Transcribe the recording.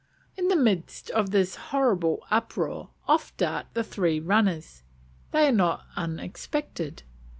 In the midst of this horrible uproar off dart the three runners. They are not unexpected.